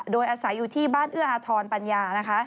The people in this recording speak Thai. โดยอาศัยอยู่ที่บ้านเอื้ออธรณ์ปัญญา